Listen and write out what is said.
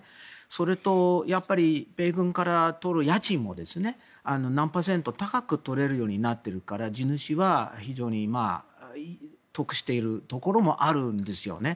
それと米軍からとる家賃も何パーセントか高く取れるようになっているから地主は非常に得しているところもあるんですよね。